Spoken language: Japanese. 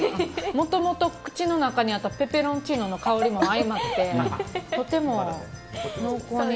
もともと口の中にあったペペロンチーノの香りも相まってとても濃厚に。